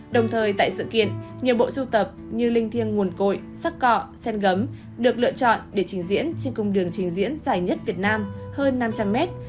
đồng thời tại sự kiện nhiều bộ sưu tập như linh thiêng nguồn cội sắc cọ sen gấm được lựa chọn để trình diễn trên cung đường trình diễn dài nhất việt nam hơn năm trăm linh mét